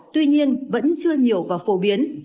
tuy nhiên vẫn chưa nhiều và phổ biến